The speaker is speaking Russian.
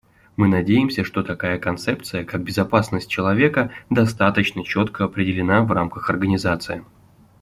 Мы надеемся, что такая концепция, как безопасность человека, достаточно четко определена в рамках Организации.